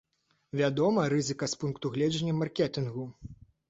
Вядома, рызыка з пункту гледжання маркетынгу.